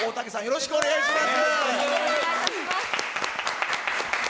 よろしくお願いします。